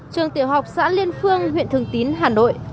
trường tiểu học xã liên phương huyện thường tín hà nội